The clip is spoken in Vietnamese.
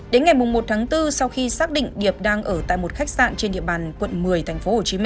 đến ngày một tháng bốn sau khi xác định điệp đang ở tại một khách sạn trên địa bàn quận một mươi tp hcm